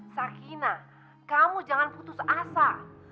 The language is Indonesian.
sakina kamu jangan putus asa